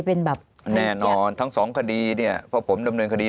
เป็นแบบแน่นอนทั้งสองคดีเนี่ยเพราะผมดำเนินคดี